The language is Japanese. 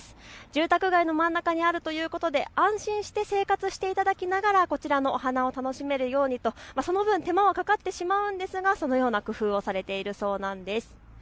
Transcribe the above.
住宅街の真ん中にあるということで安心して生活していただきながらこちらのお花を楽しめるようにと、その分、手間はかかってしまうんですが、そのような工夫をされているそうです。